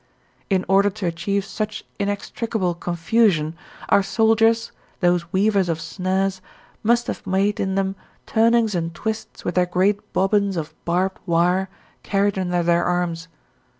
In order to achieve such inextricable confusion our soldiers, those weavers of snares, must have made in them turnings and twists with their great bobbins of barbed wire carried under their arms.